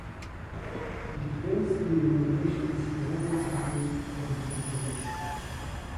The fils denominations have all disappeared from circulation.